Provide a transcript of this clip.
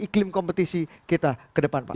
iklim kompetisi kita ke depan pak